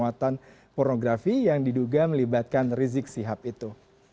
ini adalah semua penyewaan pornografi yang diduga melibatkan rizik sihab itu